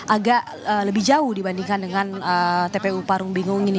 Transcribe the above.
agak lebih jauh dibandingkan dengan tpu parung bingung ini